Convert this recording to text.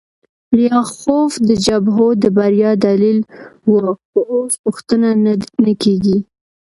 لیاخوف د جبهو د بریا دلیل و خو اوس پوښتنه نه کیږي